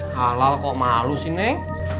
halal kok malu sih neng